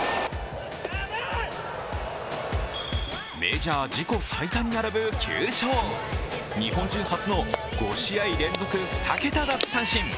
メジャー自己最多に並ぶ９勝日本人初の５試合連続２桁奪三振。